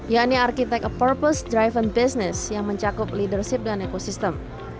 yakni arsitek a purpose driven business yang mencakup leadership dan ekosistem